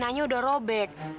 dan kainanya udah robek